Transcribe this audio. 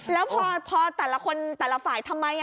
แล้วพอแต่ละคนแต่ละฝ่ายทำไม